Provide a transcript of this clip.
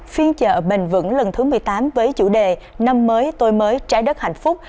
phiên chợ bền vững lần thứ một mươi tám với chủ đề năm mới tôi mới trái đất hạnh phúc